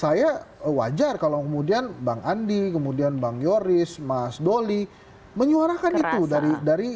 saya wajar kalau kemudian bang andi kemudian bang yoris mas doli menyuarakan itu dari